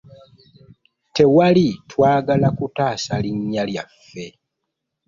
Twali twagala kutaasa linnya lyaffe.